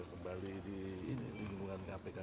kembali di lingkungan kpk